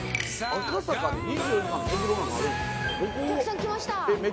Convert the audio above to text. お客さん来ました。